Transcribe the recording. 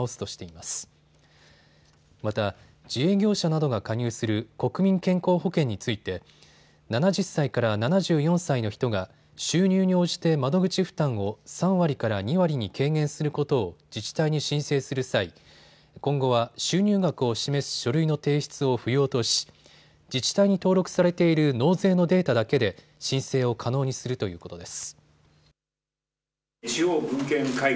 また自営業者などが加入する国民健康保険について７０歳から７４歳の人が収入に応じて窓口負担を３割から２割に軽減することを自治体に申請する際、今後は収入額を示す書類の提出を不要とし自治体に登録されている納税のデータだけで申請を可能にするということです。